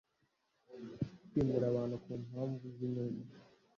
kwimura abantu ku mpamvu z inyungu